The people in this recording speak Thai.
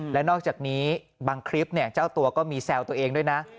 และนอกจากนี้บางคลิปเจ้าตัวก็มีแซวตัวเองด้วยนะ